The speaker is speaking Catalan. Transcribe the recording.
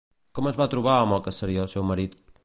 Com es va trobar amb el que seria el seu marit?